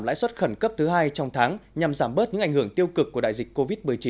lãi suất khẩn cấp thứ hai trong tháng nhằm giảm bớt những ảnh hưởng tiêu cực của đại dịch covid một mươi chín